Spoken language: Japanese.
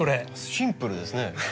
シンプルですね。